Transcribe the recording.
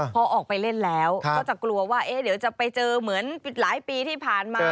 พอออกไปเล่นแล้วก็จะกลัวว่าเดี๋ยวจะไปเจอเหมือนหลายปีที่ผ่านมา